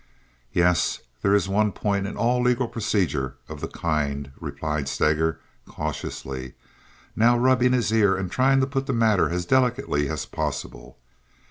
"Yes, there is one point in all legal procedure of the kind," replied Steger, cautiously, now rubbing his ear and trying to put the matter as delicately as possible.